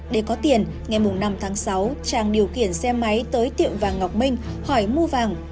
để có tiền ngày năm tháng sáu trang điều khiển xe máy tới tiệm vàng ngọc minh hỏi mua vàng